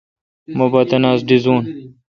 مہ پا تناس ڈیزون